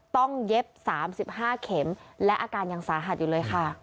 เย็บ๓๕เข็มและอาการยังสาหัสอยู่เลยค่ะ